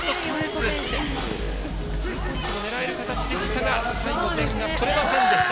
スリーポイントも狙える形でしたが最後、点が取れませんでした。